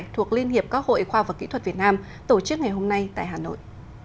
thuộc liên hiệp các hội khoa và kỹ thuật việt nam tổ chức ngày hôm nay tại hà nội